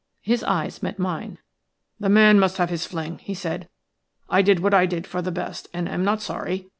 His eyes met mine. "The man must have his fling," he said. "I did what I did for the best, and am not sorry.